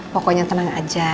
pokoknya tenang saja